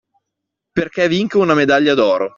Perché vinca una medaglia d'oro.